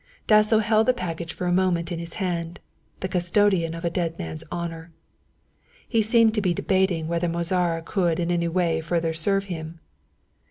Dasso held the package for a moment in his hand, the custodian of a dead man's honour. He seemed to be debating whether Mozara could in any way further serve him.